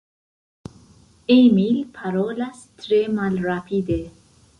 Emil parolas tre malrapide.